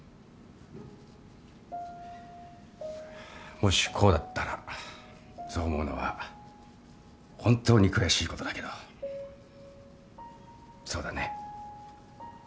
もしこうだったらそう思うのは本当に悔しいことだけどそうだね。